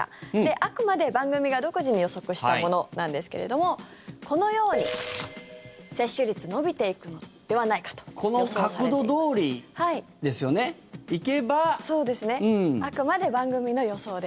あくまで番組が独自に予測したものなんですけれどもこのように接種率伸びていくのではないかと予想されています。